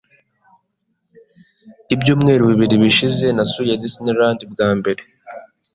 Ibyumweru bibiri bishize, nasuye Disneyland bwa mbere .